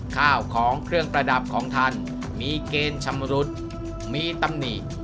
ข้าวของเครื่องประดับของท่านมีเกณฑ์ชำรุดมีตำหนิ